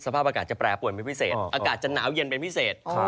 สภาพอากาศจะแปรปวนเป็นพิเศษอากาศจะหนาวเย็นเป็นพิเศษ